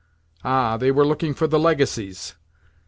Ah, they were looking for the legacies!